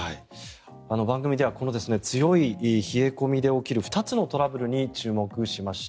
番組ではこの強い冷え込みで起きる２つのトラブルに注目しました。